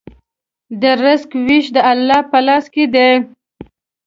د رزق وېش د الله په لاس کې دی.